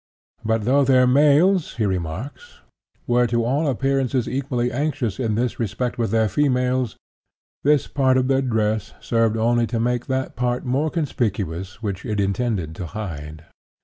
"But though their males," he remarks, "were to all appearances equally anxious in this respect with their females, this part of their dress served only to make that more conspicuous which it intended to hide."